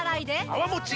泡もち